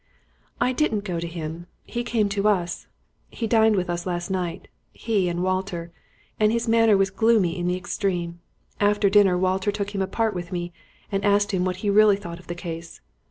"I didn't go to him; he came to us. He dined with us last night he and Walter and his manner was gloomy in the extreme. After dinner Walter took him apart with me and asked him what he really thought of the case.